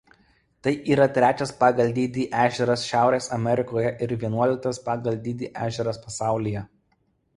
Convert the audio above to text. Tai yra trečias pagal dydį ežeras Šiaurės Amerikoje ir vienuoliktas pagal dydį ežeras pasaulyje.